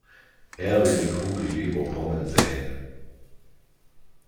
Er will die Kugel lieber kommen sehen.